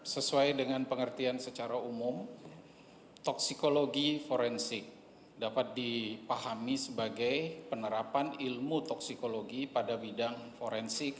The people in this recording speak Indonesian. sesuai dengan pengertian secara umum toksikologi forensik dapat dipahami sebagai penerapan ilmu toksikologi pada bidang forensik